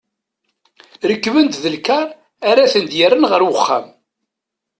Rekben-d lkar ara ten-d-yerren ɣer uxxam.